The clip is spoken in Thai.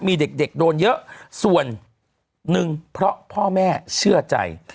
มีเด็กโดนเยอะส่วนหนึ่งเพราะพ่อแม่เชื่อใจ